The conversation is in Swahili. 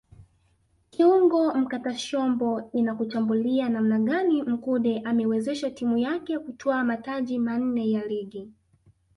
Kiungo mkatashombo inakuchambulia namna gani Mkude ameiwezesha timu yake kutwaa mataji manne ya Ligi